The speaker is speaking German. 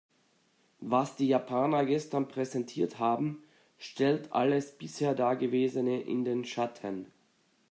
Was die Japaner gestern präsentiert haben, stellt alles bisher dagewesene in den Schatten.